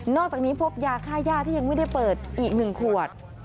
อกจากนี้พบยาค่าย่าที่ยังไม่ได้เปิดอีก๑ขวด